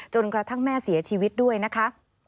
กระทั่งแม่เสียชีวิตด้วยนะคะ